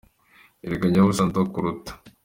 Erega nyabusa ndakuruta